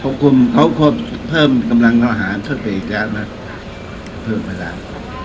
ขอบคุณเขาก็เพิ่มกำลังอาหารเข้าไปอีกแล้วนะเพิ่มไปแล้ว